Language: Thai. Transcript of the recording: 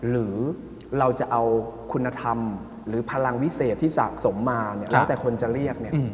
เราจะเอาคุณธรรมหรือพลังวิเศษที่สะสมมาตั้งแต่คนจะเรียก